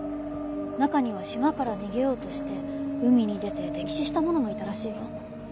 中には島から逃げようとして海に出て溺死した者もいたらしいわ。